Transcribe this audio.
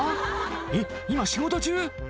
えっ今仕事中？